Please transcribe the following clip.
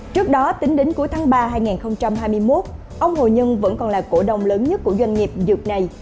trước đó tính đến cuối tháng ba hai nghìn hai mươi một ông hồ nhân vẫn còn là cổ đông lớn nhất của doanh nghiệp dược này